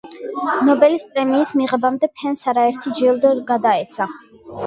ნობელის პრემიის მიღებამდე ფენს არაერთი ჯილდო გადაეცა.